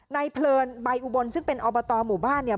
เพลินใบอุบลซึ่งเป็นอบตหมู่บ้านเนี่ย